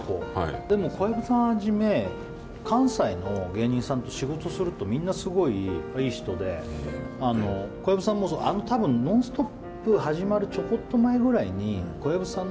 でも、小籔さんをはじめ関西の芸人さんと仕事するとみんなすごいいい人で、小籔さんも「ノンストップ！」始まるちょこっと前ぐらいに小籔さん